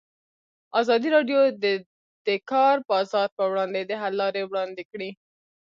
ازادي راډیو د د کار بازار پر وړاندې د حل لارې وړاندې کړي.